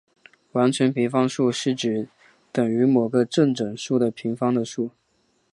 完全平方数是指等于某个正整数的平方的数。